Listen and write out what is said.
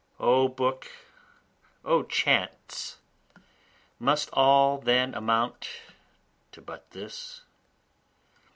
O book, O chants! must all then amount to but this?